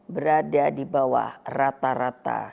berada di bawah rata rata